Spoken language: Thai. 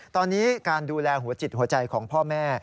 ตอนนี้การดูแลหัวจิตหัวใจของพ่อแม่